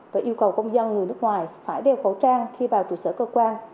và yêu cầu công dân người nước ngoài phải đeo khẩu trang khi vào trụ sở cơ quan